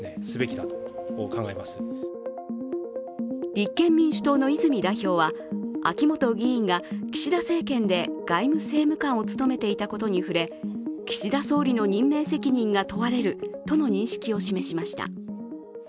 立憲民主党の泉代表は、秋本議員が岸田政権で外務政務官を務めていたことに触れ岸田総理の任命責任が問われるとの認識を示しました。